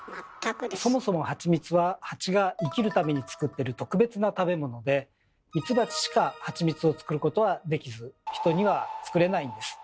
そもそもハチミツはハチが生きるために作ってる特別な食べ物でミツバチしかハチミツを作ることはできず人には作れないんです。